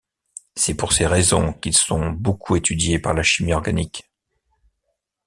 C'est pour ces raisons qu'ils sont beaucoup étudiés par la chimie organique.